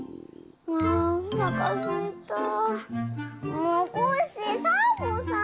もうコッシーサボさん。